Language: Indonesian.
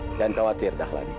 jangan khawatir dahlan